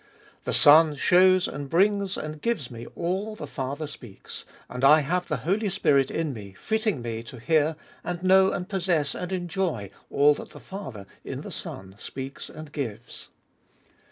The Son shows and brings and gives me all the Father speaks; and I have the Holy Spirit in me, fitting me to hear and know and possess and enjoy all that the Father in the Son speaks and gives.